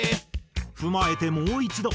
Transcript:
踏まえてもう一度。